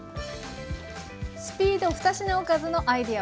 「スピード２品おかず」のアイデア